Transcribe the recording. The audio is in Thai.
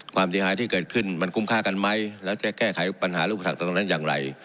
ความเสียหายที่เกิดขึ้นมันคุ้มค่ากันไหมแล้วจะแก้ไขปัญหารูปสรรคตรงนั้นอย่างไร